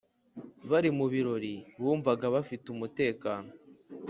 bari mu birori Bumvaga bafite umutekano